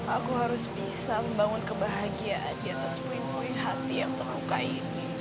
aku harus bisa membangun kebahagiaan di atas poin poin hati yang terluka ini